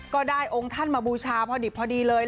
ก็ได้องค์ท่านมาบูชาพอดิบพอดีเลย